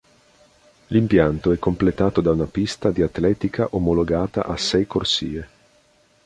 L'impianto è completato da una pista di atletica omologata a sei corsie.